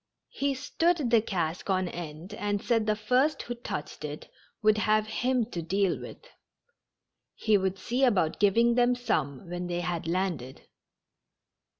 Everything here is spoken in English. He stood the cask on end, and said the first who touched it would have him to deal with. He would see about giving them some when they had landed.